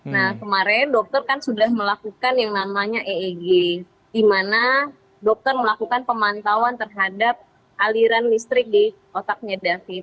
nah kemarin dokter kan sudah melakukan yang namanya eeg di mana dokter melakukan pemantauan terhadap aliran listrik di otaknya david